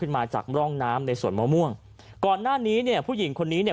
มาจากร่องน้ำในสวนมะม่วงก่อนหน้านี้เนี่ยผู้หญิงคนนี้เนี่ย